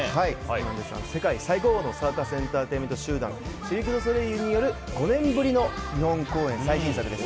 世界最高峰のサーカス・エンターテインメント集団シルク・ドゥ・ソレイユによる５年ぶりの日本公演です。